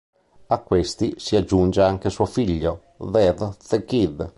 A questi si aggiunge anche suo figlio, Death the Kid.